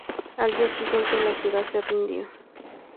Al día siguiente, la ciudad se rindió.